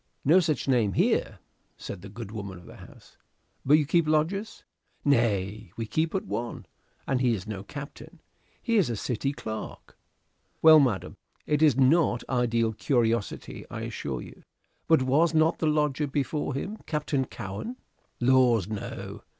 "No such name here," said the good woman of the house. "But you keep lodgers?" "Nay, we keep but one; and he is no captain he is a City clerk." "Well, madam, it is not idle curiosity, I assure you, but was not the lodger before him Captain Cowen?" "Laws, no!